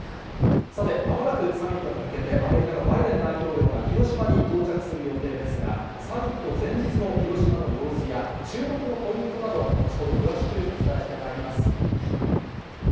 さて、まもなくサミットに向けて、アメリカのバイデン大統領が広島に到着する予定ですが、サミット前日の広島の様子や、注目のポイントなど、後ほど詳しくお伝えしてまいります。